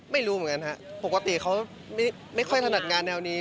ไม่รู้เหมือนกันฮะปกติเขาไม่ค่อยถนัดงานแนวนี้